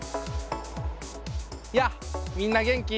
やあみんな元気？